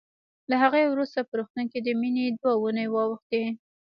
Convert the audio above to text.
له هغې وروسته په روغتون کې د مينې دوه اوونۍ واوښتې